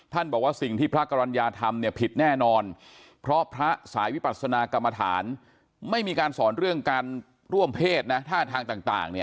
บอกว่าสิ่งที่พระกรรณญาทำเนี่ยผิดแน่นอนเพราะพระสายวิปัสนากรรมฐานไม่มีการสอนเรื่องการร่วมเพศนะท่าทางต่าง